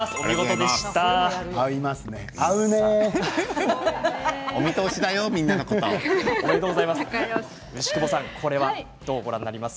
華大さん、おめでとうございます。